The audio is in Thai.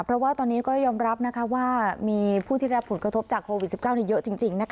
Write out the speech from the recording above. เพราะว่าตอนนี้ก็ยอมรับนะคะว่ามีผู้ที่ได้รับผลกระทบจากโควิด๑๙เนี่ยเยอะจริงนะคะ